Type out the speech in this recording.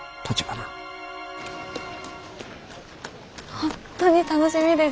本当に楽しみです。